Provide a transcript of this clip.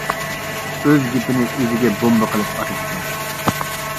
ئۆز گېپىنى ئۆزىگە بومبا قىلىپ ئاتىدىكەن.